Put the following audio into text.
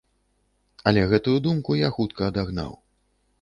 Але гэтую думку я хутка адагнаў.